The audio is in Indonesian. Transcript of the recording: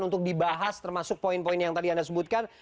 untuk dibahas termasuk poin poin yang tadi anda sebutkan